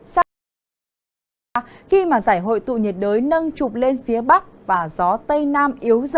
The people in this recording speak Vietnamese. sau khi giải hội tụ nhiệt đới nâng trục lên phía bắc và gió tây nam